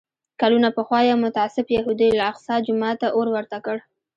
کلونه پخوا یو متعصب یهودي الاقصی جومات ته اور ورته کړ.